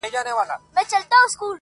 دا خصلت دی د کم ذاتو ناکسانو،